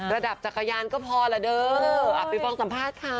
ระดับจักรยานก็พอแหละเด้ออ่ะฟิฟองสัมภาษณ์ค่ะ